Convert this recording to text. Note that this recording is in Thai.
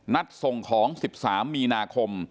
ส่งของ๑๓มีนาคม